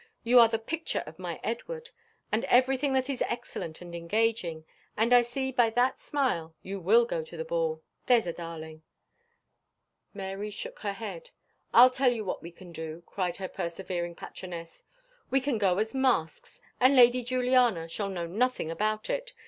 You are the picture of my Edward, and everything that is excellent and engaging; and I see by that smile you will go to the ball there's a darling!" Mary shook her head. "I'll tell you what we can do," cried her persevering patroness; "we can go as masks, and Lady Juliana shall know nothing about it.